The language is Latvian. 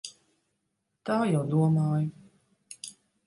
Tā jau domāju.